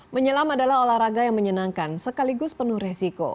menyelam adalah olahraga yang menyenangkan sekaligus penuh resiko